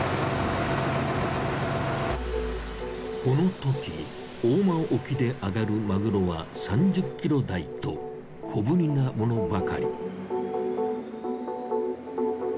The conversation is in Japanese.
このとき大間沖で揚がるマグロは３０ｋｇ台と小ぶりなものばかり。